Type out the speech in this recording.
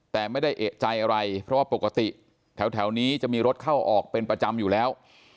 แต่ไม่ได้เอกใจอะไรเพราะว่าปกติแถวนี้จะมีรถเข้าออกเป็นประจำอยู่แล้ว